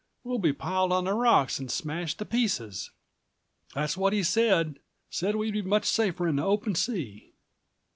We'll be piled on the rocks and smashed in pieces.' That's what he said; said we'd be much safer in the open sea."